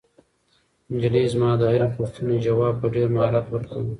نجلۍ زما د هرې پوښتنې ځواب په ډېر مهارت ورکاوه.